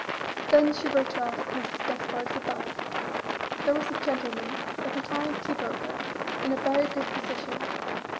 Then she wrote to ask Mrs. Despard's advice. There was a gentleman, a retired tea broker, in a very good position.